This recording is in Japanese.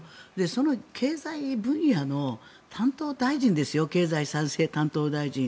その経済分野の担当大臣ですよ経済再生担当大臣。